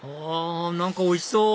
何かおいしそう！